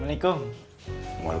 tak ada yang nanya